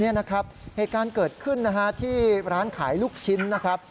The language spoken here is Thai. นี่นะครับในการเกิดขึ้นที่ร้านขายลูกชิ้นนะครับ